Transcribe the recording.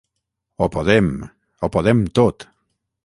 Ho podem, ho podem tot!